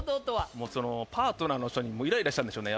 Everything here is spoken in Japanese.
もうそのパートナーの人にもうイライラしたんでしょうね。